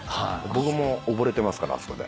僕も溺れてますからあそこで。